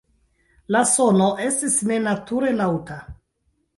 La sono estis nenature laŭta.